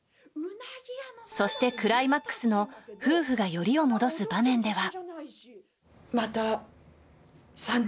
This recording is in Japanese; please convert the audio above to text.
そして、クライマックスの夫婦が寄りを戻す場面では。